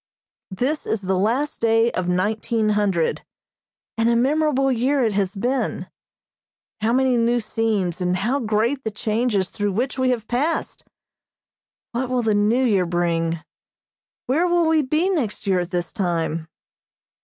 This is the last day of nineteen hundred, and a memorable year it has been. How many new scenes and how great the changes through which we have passed! What will the New Year bring? Where will we be next year at this time?